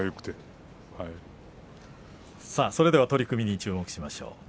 それでは取組に注目しましょう。